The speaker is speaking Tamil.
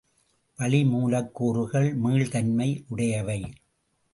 வளி மூலக்கூறுகள் மீள்தன்மை உடையவை.